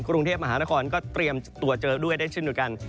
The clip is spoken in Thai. กรุงเทพมหานครก็เตรียมตัวเจอด้วยได้เช่นเดียวกัน